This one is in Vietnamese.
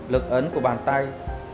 lực ấn của bàn tay